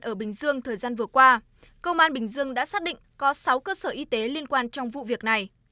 ở bình dương thời gian vừa qua công an bình dương đã xác định có sáu cơ sở y tế liên quan trong vụ việc này